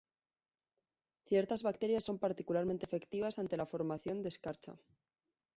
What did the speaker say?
Ciertas bacterias son particularmente efectivas ante la formación de escarcha.